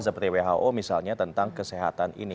seperti who misalnya tentang kesehatan ini